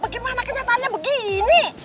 bagaimana kenyataannya begini